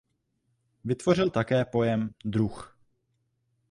Vytvořil také pojem "druh".